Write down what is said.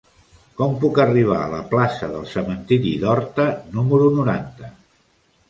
Com puc arribar a la plaça del Cementiri d'Horta número noranta?